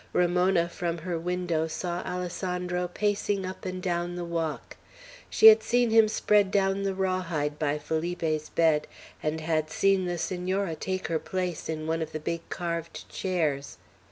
Ramona, from her window, saw Alessandro pacing up and down the walk. She had seen him spread down the raw hide by Felipe's bed, and had seen the Senora take her place in one of the big carved chairs.